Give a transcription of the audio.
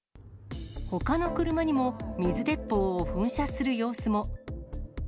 ほかの車にも水鉄砲を噴射する様子も。